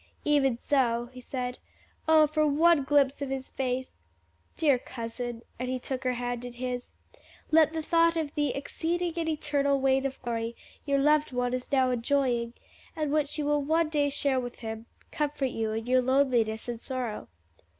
"Even so," he said. "Oh, for one glimpse of His face! Dear cousin," and he took her hand in his, "let the thought of the 'exceeding and eternal weight of glory' your loved one is now enjoying, and which you will one day share with him, comfort you in your loneliness and sorrow."